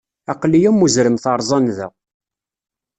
Aql-i am uzrem teṛẓa nnda.